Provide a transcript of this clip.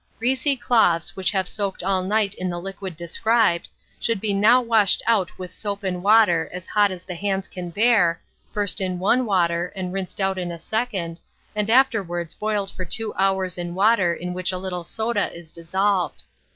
Greasy cloths, which have soaked all night in the liquid described, should be now washed out with soap and water as hot as the hands can bear, first in one water, and rinsed out in a second; and afterwards boiled for two hours in water in which a little soda is dissolved.